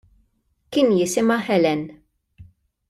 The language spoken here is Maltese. Kien jisimha Helen.